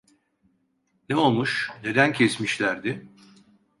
Ne olmuş, neden kesmişlerdi?